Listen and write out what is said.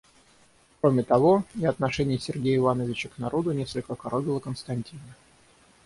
Кроме того, и отношение Сергея Ивановича к народу несколько коробило Константина.